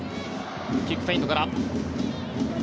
キックフェイントから。